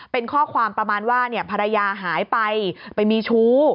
เป็นข้อความประมาณว่าภรรยาหายไปไปมีชู้